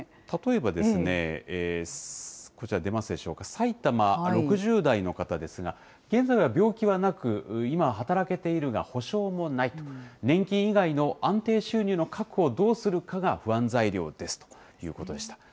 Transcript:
例えばこちら、出ますでしょうか、埼玉６０代の方ですが、現在は病気はなく、今は働けているが、保証もないと、年金以外の安定収入の確保をどうするかが不安材料ですということでした。